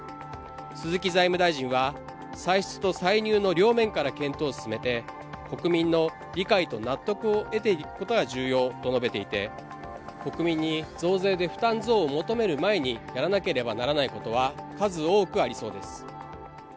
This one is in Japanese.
鈴木財務大臣は歳出と歳入の両面から検討を進めて国民の理解と納得を得ていくことが重要と述べていて、国民に増税で負担増を求める前にやらなければならないことは数多くありそうです。